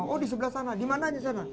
oh di sebelah sana di mana aja sana